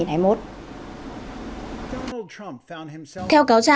và công ty